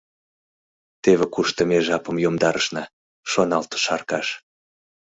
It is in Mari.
Теве кушто ме жапым йомдарышна», — шоналтыш Аркаш.